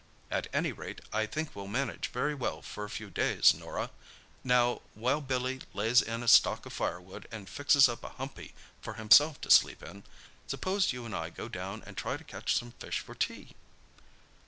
"At any rate, I think we'll manage very well for a few days, Norah. Now, while Billy lays in a stock of firewood and fixes up a 'humpy' for himself to sleep in, suppose you and I go down and try to catch some fish for tea?"